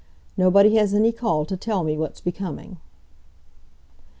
Nobody has any call to tell me what's becoming."